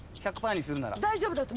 大丈夫だと思う。